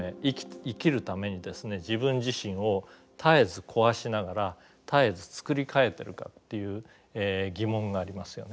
自分自身を絶えず壊しながら絶えず作り替えてるかっていう疑問がありますよね。